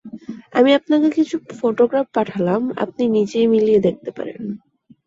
আমি আপনাকে কিছু ফটোগ্রাফ পাঠালাম, আপনি নিজেই মিলিয়ে দেখতে পারেন।